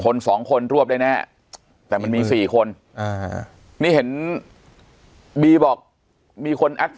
คนสองคนรวบได้แน่แต่มันมี๔คนนี่เห็นบีบอกมีคนแอด